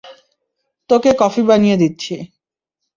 তোকে কফি বানিয়ে দিচ্ছি।